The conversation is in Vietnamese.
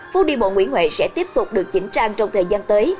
phố đi bộ nguyễn huệ sẽ tiếp tục được chỉnh trang trong thời gian tới